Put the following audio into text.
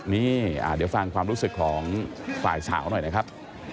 นี่เดี๋ยวฟังความรู้สึกของฝ่ายสาวหน่อยนะครับ